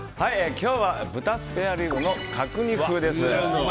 今日は豚スペアリブの角煮風です。